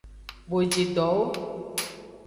Bojidowo.